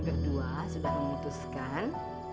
berdua sudah memutuskan